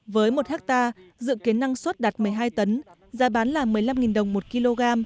với một hectare dự kiến năng suất đạt một mươi hai tấn giá bán là một mươi năm đồng một kg